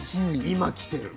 今来てる。